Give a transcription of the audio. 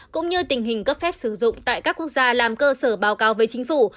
cũng như tình hình cấp phép sử dụng tại các quốc gia làm cơ sở báo cáo với chính phủ